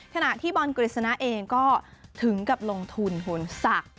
ขณะที่บอลกฤษณะเองก็ถึงกับลงทุนโหนศักดิ์